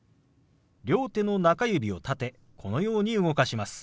両手の中指を立てこのように動かします。